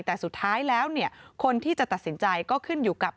แต่สุดท้ายแล้วเนี่ยคนที่จะตัดสินใจก็ขึ้นอยู่กับ